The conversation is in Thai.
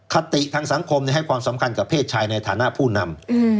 คติทางสังคมให้ความสำคัญกับเพศชายในฐานะผู้นำ